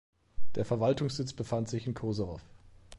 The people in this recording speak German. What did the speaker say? Der Verwaltungssitz befand sich in Koserow.